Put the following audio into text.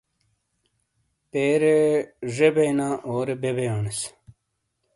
پیرے ڙے بینا، اورے بے بیونس۔